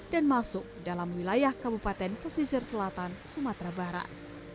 dan masuk dalam wilayah kabupaten pesisir selatan sumatera barat